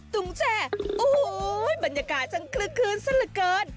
ตุ๊งแชร์โอ้โหบรรยากาศจังคลืนซะละเกิน